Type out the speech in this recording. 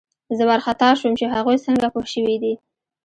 زه وارخطا شوم چې هغوی څنګه پوه شوي دي